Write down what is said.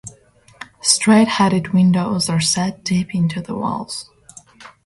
Straight headed windows are set deep into the walls.